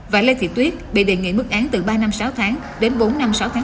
và lê thị tuyết bị đề nghị mức án từ ba năm sáu tháng đến bốn năm sáu tháng tù về tội che giấu tội phạm